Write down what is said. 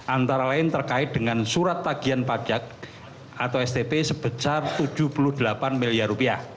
antara lain terkait dengan surat tagihan pajak atau stp sebesar rp tujuh puluh delapan miliar